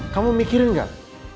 kamu mikirin gak